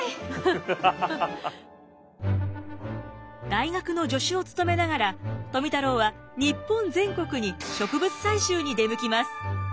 大学の助手を務めながら富太郎は日本全国に植物採集に出向きます。